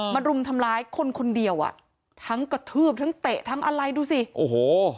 รุมทำร้ายคนคนเดียวอ่ะทั้งกระทืบทั้งเตะทั้งอะไรดูสิโอ้โห